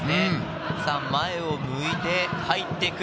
前を向いて入ってくる。